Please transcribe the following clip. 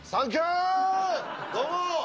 どうも！